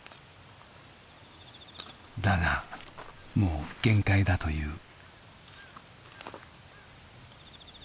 だがもう限界だという。